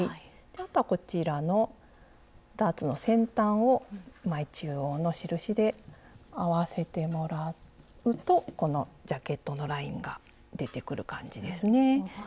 あとはこちらのダーツの先端を前中央の印で合わせてもらうとこのジャケットのラインが出てくる感じですね。